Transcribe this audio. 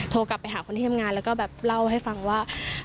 โทรกลับไปหาคนที่ทำงานแล้วก็แบบเล่าให้ฟังว่า